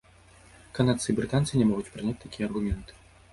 Канадцы і брытанцы не могуць прыняць такія аргументы.